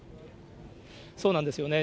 そうなんですよね。